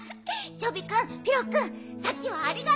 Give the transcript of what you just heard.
チョビくんピロくんさっきはありがとう。